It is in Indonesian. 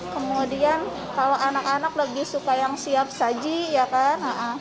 kemudian kalau anak anak lebih suka yang siap saji ya kan